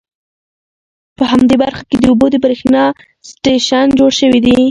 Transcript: په همدې برخه کې د اوبو د بریښنا سټیشن جوړ شوي دي.